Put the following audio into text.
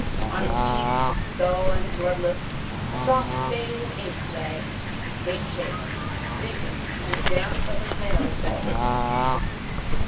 On his cheek, dull and bloodless, a soft stain of ink lay, dateshaped, recent and damp as a snail's bed.